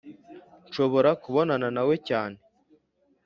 nshobora kubonana nawe cyane